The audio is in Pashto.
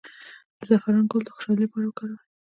د زعفران ګل د خوشحالۍ لپاره وکاروئ